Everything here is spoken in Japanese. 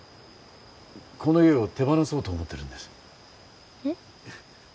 この家を手放そうと思ってるんですえっ？